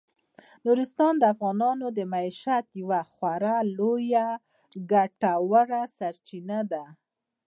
نورستان د افغانانو د معیشت یوه خورا لویه او ګټوره سرچینه ده.